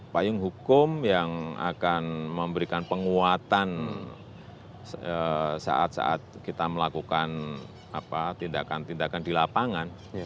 payung hukum yang akan memberikan penguatan saat saat kita melakukan tindakan tindakan di lapangan